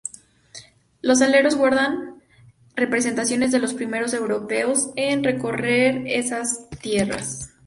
Los aleros guardan representaciones de los primeros europeos en recorrer esas tierras.